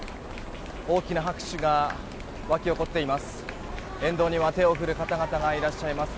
大きな拍手が沸き起こっています。